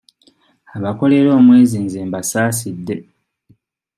Abakolera omwezi nze mbasaasidde.